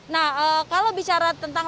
nah kalau bicara tentang